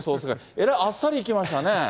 えらいあっさりいきましたね。